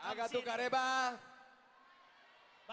aga tukar rebah